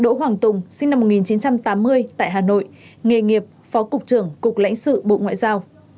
đỗ hoàng tùng sinh năm một nghìn chín trăm tám mươi tại hà nội nghề nghiệp phó cục trưởng cục lãnh sự bộ ngoại giao